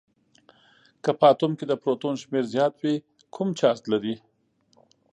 که په اتوم کې د پروتون شمیر زیات وي کوم چارج لري؟